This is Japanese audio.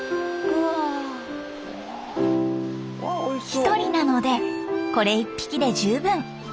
１人なのでこれ１匹で十分。